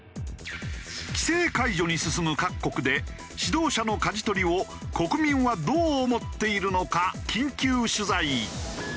規制解除に進む各国で指導者の舵取りを国民はどう思っているのか緊急取材。